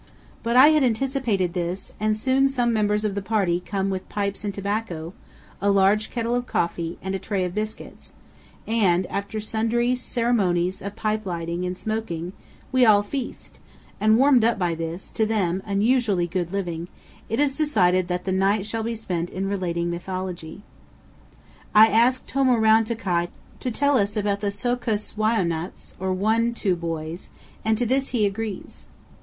But I had anticipated this, and soon some members of the party come with pipes and tobacco, a large kettle of coffee, and a tray of biscuits, and, after sundry ceremonies of pipe lighting and smoking, we all feast, and, warmed up by this, to them, unusually good living, it is decided that the night shall be spent in relating mythology. I ask Tomor'rountikai to tell us about the So'kus Wai'unats, or One Two Boys, and to this he agrees.